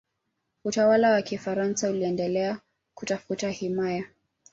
utawala wa kifaransa uliendelea kutafuta himaya